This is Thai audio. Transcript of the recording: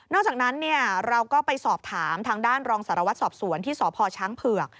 จากนั้นเราก็ไปสอบถามทางด้านรองสารวัตรสอบสวนที่สพช้างเผือก